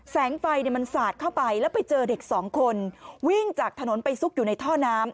แสงไฟมันสาดเข้าไปแล้วไปเจอเด็กสองคนวิ่งจากถนนไปซุกอยู่ในท่อน้ำ